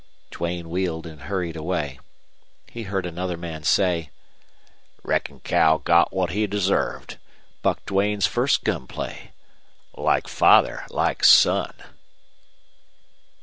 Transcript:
Duane wheeled and hurried away. He heard another man say: "Reckon Cal got what he deserved. Buck Duane's first gunplay. Like father like son!"